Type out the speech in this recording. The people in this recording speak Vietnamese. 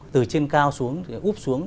từ trên cao xuống úp xuống